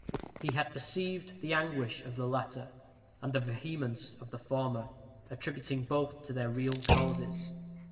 He had perceived the anguish of the latter, and the vehemence of the former, attributing both to their real causes.